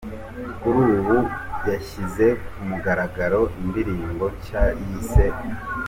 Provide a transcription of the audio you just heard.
Kuri ubu yashyize ku mugaragaro indirimbo nshya yise.